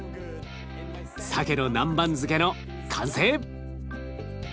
さけの南蛮漬けの完成！